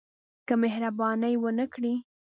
که مهرباني ونه کړي.